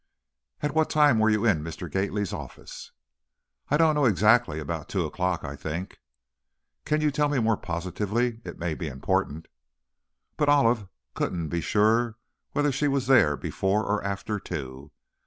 "At what time were you in Mr. Gately's office?" "I don't know exactly. About two o'clock, I think." "Can't you tell me more positively? It may be important." But Olive couldn't be sure whether she was there before or after two.